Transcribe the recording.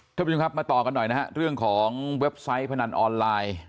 ท่านผู้ชมครับมาต่อกันหน่อยนะฮะเรื่องของเว็บไซต์พนันออนไลน์